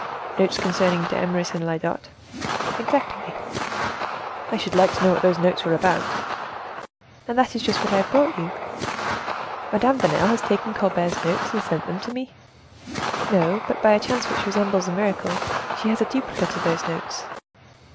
"Notes concerning d'Eymeris and Lyodot?" "Exactly." "I should like to know what those notes were about." "And that is just what I have brought you." "Madame Vanel has taken Colbert's notes and sent them to me?" "No; but by a chance which resembles a miracle, she has a duplicate of those notes."